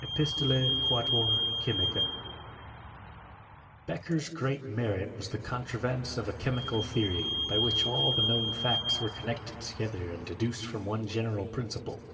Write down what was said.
Epistols quatnor Che miese. Beccher's great merit was the contrivance of a che mical theorv, bv which all the known facts were con * nected together and deduced from one general prin ciple.